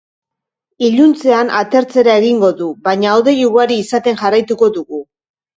Iluntzean atertzera egingo du, baina hodei ugari izaten jarraituko dugu.